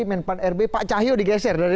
menpan rb pak cahyo digeser dari